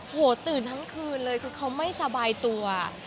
โหตื่นทั้งคืนเลยคือเขาไม่สบายตัว